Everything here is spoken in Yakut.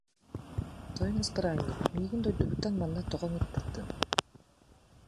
Тойон ыспыраанньык, миигин дойдубуттан манна тоҕо ыҥыттардыҥ